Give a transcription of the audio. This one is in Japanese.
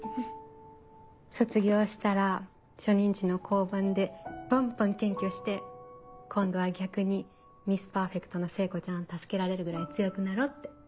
卒業したら初任地の交番でバンバン検挙して今度は逆にミス・パーフェクトの聖子ちゃんを助けられるぐらい強くなろうって。